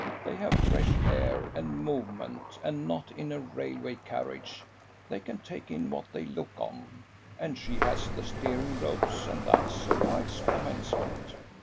They have fresh air and movement, and not in a railway carriage; they can take in what they look on. And she has the steering ropes, and that's a wise commencement.